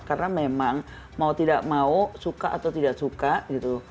karena memang mau tidak mau suka atau tidak suka gitu